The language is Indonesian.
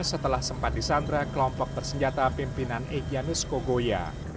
setelah sempat disandra kelompok bersenjata pimpinan egyanus kogoya